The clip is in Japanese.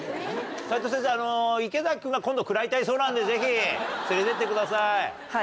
齋藤先生、池崎君が今度食らいたいそうなんで、ぜひ連れて行ってください。